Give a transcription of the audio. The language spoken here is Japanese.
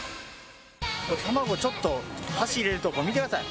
卵ちょっと箸入れるとこ見てください！